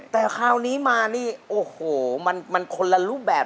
แต่คราวนี้มานี่โอ้โหมันคนละรูปแบบ